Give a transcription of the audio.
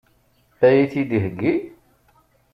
Ad iyi-t-id-iheggi?